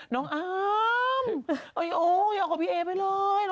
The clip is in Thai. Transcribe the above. น้องอ้ามอย่าเอากับพี่เอ๊ไปเลย